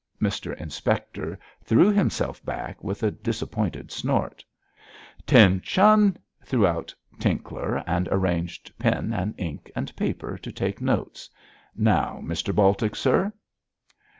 Mr Inspector threw himself back with a disappointed snort. ''Tention!' threw out Tinkler, and arranged pen and ink and paper to take notes. 'Now, Mr Baltic, sir!'